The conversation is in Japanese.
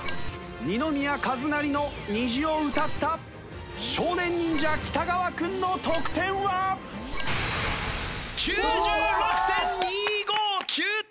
二宮和也の『虹』を歌った少年忍者北川君の得点は！？９６．２５９点！